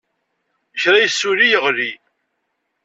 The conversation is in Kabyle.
Kra yessuli yeɣli.